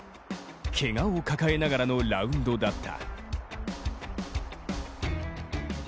けがを抱えながらのラウンドだった。